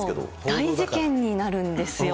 大事件になるんですよ。